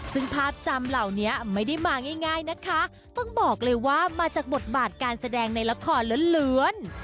ซึ่งภาพจำเหล่านี้ไม่ได้มาง่ายนะคะต้องบอกเลยว่ามาจากบทบาทการแสดงในละครล้วน